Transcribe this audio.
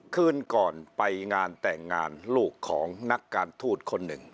คืนก่อนไปงานแต่งงานลูกของนักการทูตคนหนึ่ง